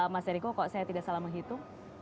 mas eriko kalau saya tidak salah menghitung